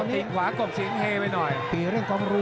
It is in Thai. ติดขวากบสิงเฮไปหน่อย